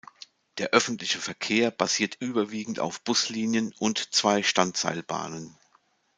Der öffentliche Verkehr basiert überwiegend auf Buslinien und zwei Standseilbahnen.